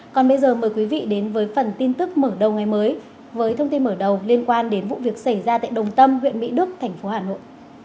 còn bây giờ mời quý vị đến với phần tin tức mở đầu ngày mới với thông tin mở đầu liên quan đến vụ việc xảy ra tại đồng tâm huyện mỹ đức thành phố hà nội